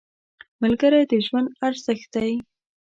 ملګری د ژوند ارزښت دی